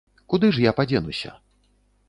Куды ж я падзенуся?